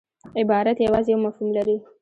عبارت یوازي یو مفهوم لري.